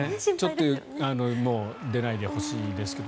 ちょっと出ないでほしいですけど。